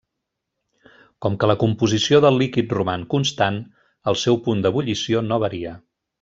Com que la composició del líquid roman constant, el seu punt d'ebullició no varia.